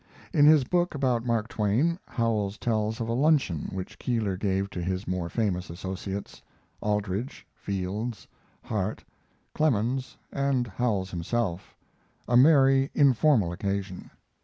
In his book about Mark Twain, Howells tells of a luncheon which Keeler gave to his more famous associates Aldrich, Fields, Harte, Clemens, and Howells himself a merry informal occasion.